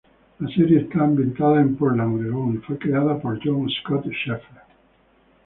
La serie está ambientada en Portland, Oregón y fue creada por John Scott Shepherd.